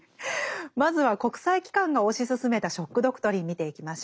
まずは国際機関が推し進めた「ショック・ドクトリン」見ていきましょう。